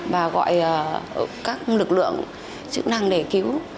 và gọi các lực lượng chức năng để cứu